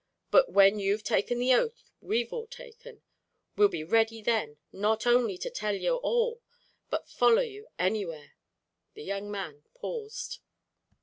But when you've taken the oath we've all taken, we'll be ready then not only to tell you all, but follow you anywhere." The young man paused.